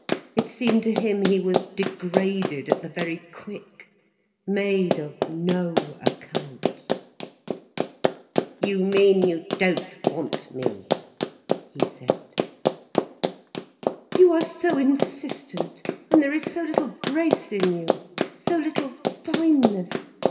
It seemed to him he was degraded at the very quick, made of no account. "You mean you don't want me?" he said. "You are so insistent, and there is so little grace in you, so little fineness.